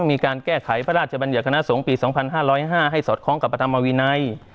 มีการแก้ไขพระราชบัญญัติคณะสงฆ์ปี๒๕๐๕ให้สอดคล้องกับพระธรรมวินัย